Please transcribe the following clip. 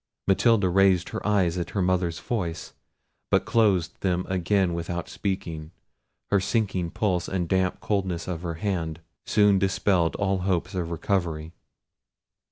Matilda raised her eyes at her mother's voice, but closed them again without speaking. Her sinking pulse and the damp coldness of her hand soon dispelled all hopes of recovery.